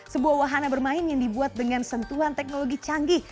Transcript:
sebuah wahana bermain yang dibuat dengan sentuhan teknologi canggih